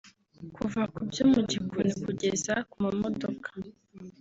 kuva kubyo mugikoni kugeza kumamodoka